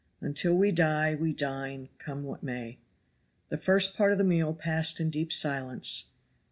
Until we die we dine, come what may. The first part of the meal passed in deep silence.